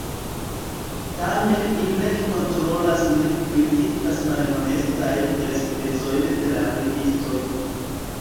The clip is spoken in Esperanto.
Tamen ili nek kontrolas nek kritikas malhonestajn elspezojn de la registoj.